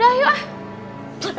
udah yuk ah